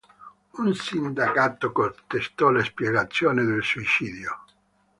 Un sindacato contestò la spiegazione del suicidio.